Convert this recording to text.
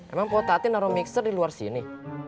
emang potatin aromix terdiri di luar sini